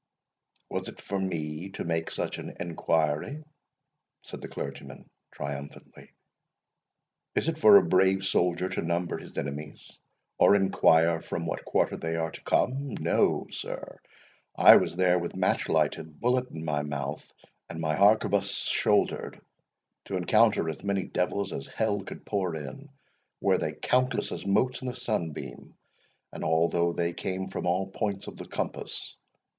"Was it for me to make such inquiry?" said the clergyman, triumphantly. "Is it for a brave soldier to number his enemies, or inquire from what quarter they are to come? No, sir, I was there with match lighted, bullet in my mouth, and my harquebuss shouldered, to encounter as many devils as hell could pour in, were they countless as motes in the sunbeam, and although they came from all points of the compass.